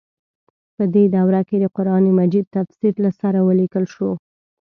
په دې دوره کې د قران مجید تفسیر له سره ولیکل شو.